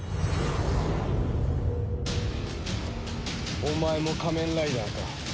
お前も仮面ライダーか。